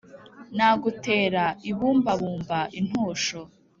Nagutera ibumbabumba-Intosho.